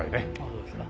そうですか。